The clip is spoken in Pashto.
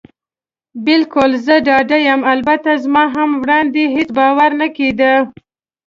بلکل، زه ډاډه یم. البته زما هم وړاندې هېڅ باور نه کېده.